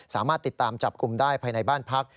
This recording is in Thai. สามารถติดตามจับกลุ่มได้ภายในบ้านพัก